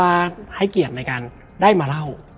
และวันนี้แขกรับเชิญที่จะมาเชิญที่เรา